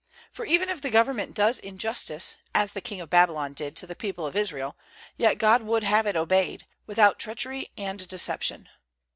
For even if the government does injustice, as the King of Babylon did to the people of Israel, yet God would have it obeyed, without treachery and deception.